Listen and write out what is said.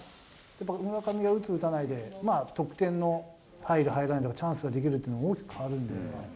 やっぱ村上が打つ、打たないで、得点の入る、入らないというチャンスができるっていうのが大きく変わるんで。